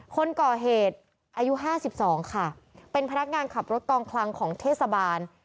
คนก่อเหตุอายุห้าสิบสองค่ะเป็นพนักงานขับรถกองคลังของเทศบาล